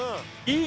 いい？